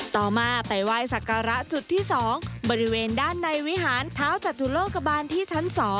ต่อมาไปไหว้สักการะจุดที่๒บริเวณด้านในวิหารเท้าจตุโลกบาลที่ชั้น๒